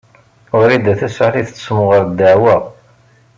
Wrida Tasaḥlit tessemɣer ddeɛwa.